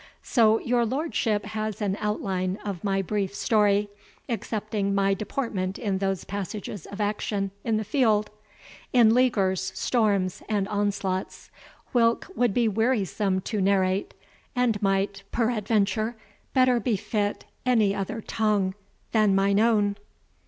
So your lordship has an outline of my brief story, excepting my deportment in those passages of action in the field, in leaguers, storms, and onslaughts, whilk would be wearisome to narrate, and might, peradventure, better befit any other tongue than mine own."